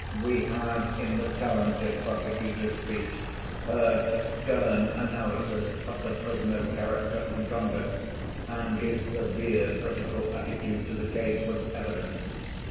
We have, in the talented prosecutor's speech, heard a stern analysis of the prisoner's character and conduct, and his severe critical attitude to the case was evident.